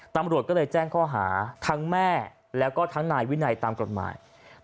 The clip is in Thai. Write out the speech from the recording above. ตำรวจก็เลยแจ้งข้อหาทั้งแม่แล้วก็ทั้งนายวินัยตามกฎหมาย